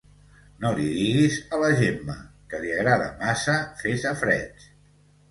No li diguis a la Gemma, que li agrada massa fer safareig.